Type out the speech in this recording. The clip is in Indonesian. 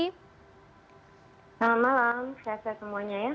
selamat malam sehat sehat semuanya ya